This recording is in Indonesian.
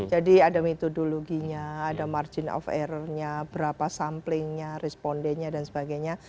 jadi ada metodologinya ada margin of errornya berapa samplingnya responsifnya